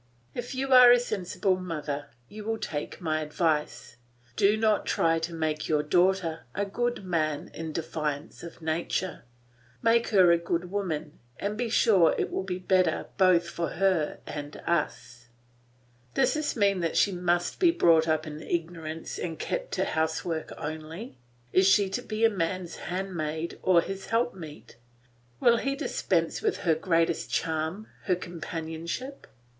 If you are a sensible mother you will take my advice. Do not try to make your daughter a good man in defiance of nature. Make her a good woman, and be sure it will be better both for her and us. Does this mean that she must be brought up in ignorance and kept to housework only? Is she to be man's handmaid or his help meet? Will he dispense with her greatest charm, her companionship?